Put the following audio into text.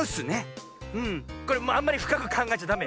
これあんまりふかくかんがえちゃダメよ。